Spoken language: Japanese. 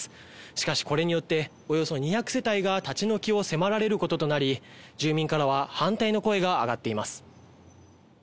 しかし、これによっておよそ２００世帯が立ち退きを迫られることとなり、住民からは反対の声が上がっています。